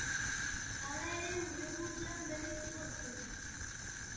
Hala ere hurrengo urtean berriz igo zen.